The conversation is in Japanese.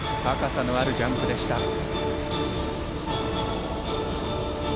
高さのあるジャンプでした。